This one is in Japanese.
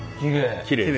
きれい。